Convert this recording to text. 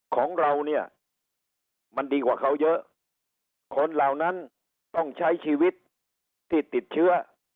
ของเราเนี่ยมันดีกว่าเขาเยอะคนเหล่านั้นต้องใช้ชีวิตที่ติดเชื้อ